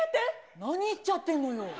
何言っちゃってんのよ。